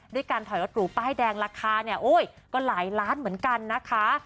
ด้วยการถอยรถหรูป้ายแดงราคาเนี่ยโอ้ยก็หลายล้านเหมือนกันนะคะ